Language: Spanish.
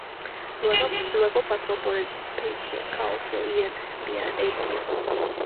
Luego pasó por el Spezia Calcio y el Viareggio.